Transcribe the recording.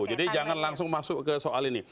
jadi jangan langsung masuk ke soal ini